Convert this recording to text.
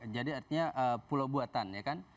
jadi artinya pulau buatan ya kan